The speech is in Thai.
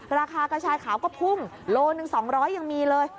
ราคากระชายขาวก็พุ่งโลหนึ่ง๒๐๐ยังมีเลย